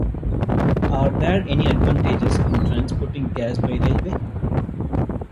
Are there any advantages in transporting gas by railway?